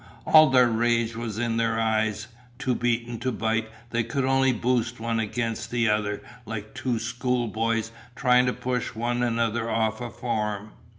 All their rage was in their eyes. Too beaten to bite they could only boost one against another like two schoolboys trying to push one another off a form.